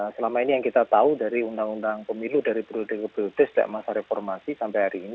selama ini yang kita tahu dari undang undang pemilu dari pdb pdb setelah masa reformasi sampai hari ini